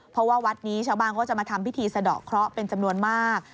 เพราะว่าวัดนี้ชาวบ้านก็จะมาทำพิธีสะดอกเคราะห์เป็นจำนวนมาก